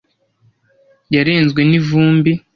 yarenzwe n'ivumbi